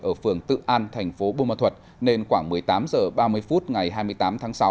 ở phường tự an thành phố bù ma thuật nên khoảng một mươi tám h ba mươi phút ngày hai mươi tám tháng sáu